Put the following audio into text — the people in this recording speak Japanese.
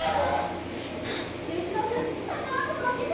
さあゆういちろうくんたからばこあけて。